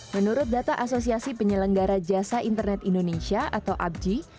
menurut data asosiasi penyelenggara jasa internet indonesia atau abji